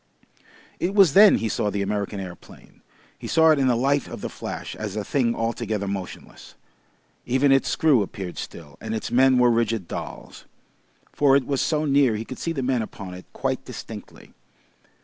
It was then he saw the American aeroplane. He saw it in the light of the flash as a thing altogether motionless. Even its screw appeared still, and its men were rigid dolls. (For it was so near he could see the men upon it quite distinctly.)